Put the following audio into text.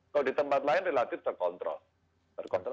kalau di tempat lain relatif terkontrol